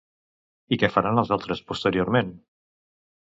I què faran els altres posteriorment?